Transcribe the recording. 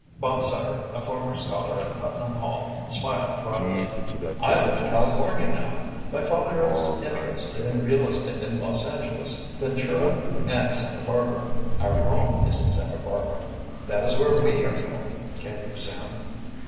Bob Sutter, a former scholar at Putnam Hall, smiled broadly. "I live in California now. My father is interested in real estate in Los Angeles, Ventura, and Santa Barbara. Our home is in Santa Barbara." "That is where we are going," came from Sam.